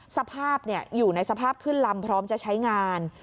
สภาพอยู่ในสภาพขึ้นลำพร้อมจะใช้งาน